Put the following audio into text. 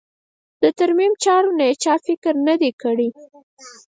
د ترمیم چارو ته یې چا فکر نه دی کړی.